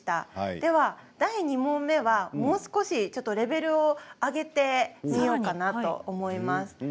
では第２問はもう少しレベルを上げてみようかなと思います。